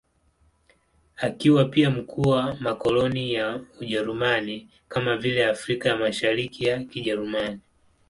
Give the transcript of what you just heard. Akiwa pia mkuu wa makoloni ya Ujerumani, kama vile Afrika ya Mashariki ya Kijerumani.